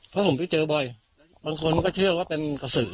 เพราะผมไปเจอบ่อยบางคนก็เชื่อว่าเป็นกระสือ